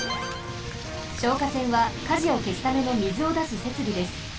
消火栓は火事をけすためのみずをだすせつびです。